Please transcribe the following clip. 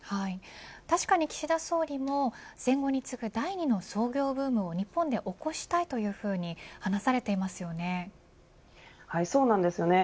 確かに岸田総理も戦後に次ぐ第２の創業ブームを日本で起こしたいと話されていますよね。